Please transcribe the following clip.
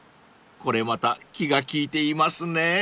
［これまた気が利いていますねぇ］